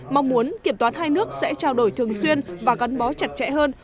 mong muốn kiểm toán hai nước sẽ trao đổi thường xuyên và gắn bó chặt chẽ hơn